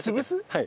はい。